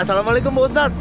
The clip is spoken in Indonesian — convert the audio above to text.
assalamualaikum pak ustadz